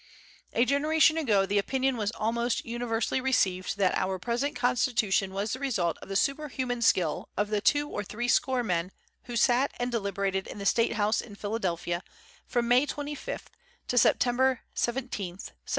A generation ago the opinion was almost universally received that our present constitution was the result of the superhuman skill of the two or three score men who sat and deliberated in the State House in Philadelphia from May 25th to September 17th, 1787.